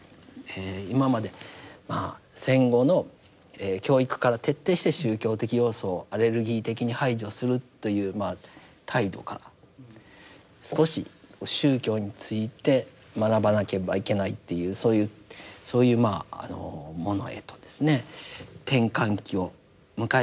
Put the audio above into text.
今まで戦後の教育から徹底して宗教的要素をアレルギー的に排除するという態度から少し宗教について学ばなければいけないっていうそういうものへとですね転換期を迎えたんじゃないか。